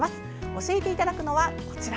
教えていただくのは、こちら。